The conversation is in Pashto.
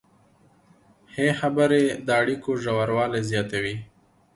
ښې خبرې د اړیکو ژوروالی زیاتوي.